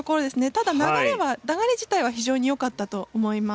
ただ流れは流れ自体は非常に良かったと思います。